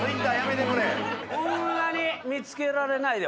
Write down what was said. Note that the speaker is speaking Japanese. こんなに見つけられないで。